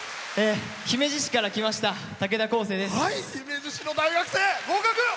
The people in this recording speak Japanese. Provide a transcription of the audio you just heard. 姫路市から来ましたたけだです。